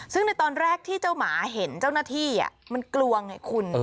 ซึ่งในตอนแรกที่เจ้าหมาเห็นเจ้าหน้าที่มันกลัวไงคุณ